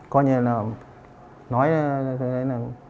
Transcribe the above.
coi như là nói thế này